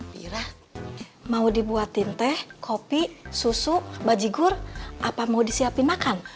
pira mau dibuatin teh kopi susu bajigur apa mau disiapi makan